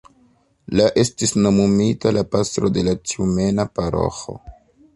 La estis nomumita la pastro de la tjumena paroĥo.